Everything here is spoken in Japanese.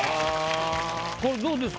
これどうですか？